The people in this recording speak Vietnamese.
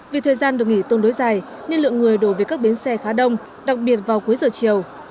vì thời gian được nghỉ tương đối dài nên lượng người đổ về các bến xe khá đông đặc biệt vào cuối giờ chiều